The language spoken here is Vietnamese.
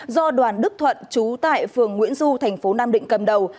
do đoàn đức thuận trú tại phường nguyễn du thành phố nam định cầm đầu